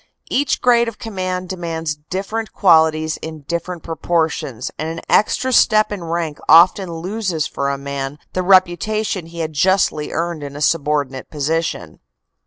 Each grade of command demands different qualities in differ ent proportions, and an extra step in rank often loses for a man the reputation he had justly earned in a subordinate position."